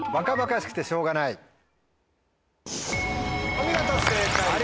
お見事正解です。